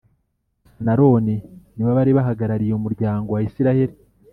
Musa n’Aroni nibo bari bahagarariye umuryango wa isiraheli